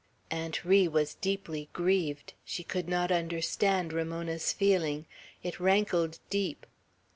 Aunt Ri was deeply grieved. She could not understand Ramona's feeling. It rankled deep.